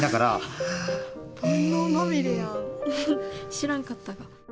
知らんかった。